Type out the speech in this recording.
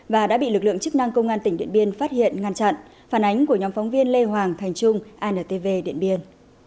và đã bị lực lượng chức năng công an tỉnh điện biên phát hiện ngăn chặn phản ánh của nhóm phóng viên lê hoàng thành trung antv điện biên